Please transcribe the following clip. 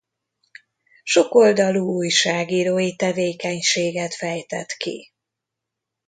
Sokoldalú újságírói tevékenységet fejtett ki.